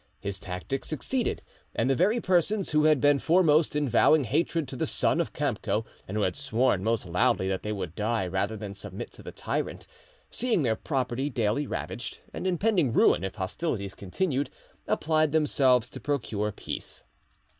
His tactics succeeded, and the very persons who had been foremost in vowing hatred to the son of Kamco and who had sworn most loudly that they would die rather than submit to the tyrant, seeing their property daily ravaged, and impending ruin if hostilities continued, applied themselves to procure peace.